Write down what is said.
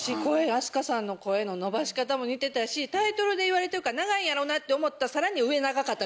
ＡＳＫＡさんの声の伸ばし方も似てたしタイトルで言われてるから長いんやろなって思った。